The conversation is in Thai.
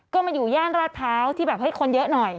ก็มาอยู่ย่านราดเท้าที่ให้คนเยอะหน่อย